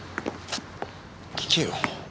聞けよ。